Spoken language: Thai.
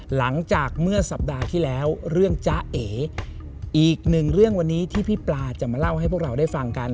หลังจากเมื่อสัปดาห์ที่แล้วเรื่องจ๊ะเออีกหนึ่งเรื่องวันนี้ที่พี่ปลาจะมาเล่าให้พวกเราได้ฟังกัน